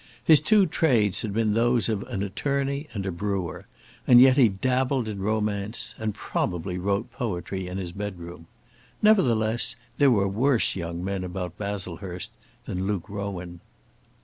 His two trades had been those of an attorney and a brewer, and yet he dabbled in romance, and probably wrote poetry in his bedroom. Nevertheless, there were worse young men about Baslehurst than Luke Rowan.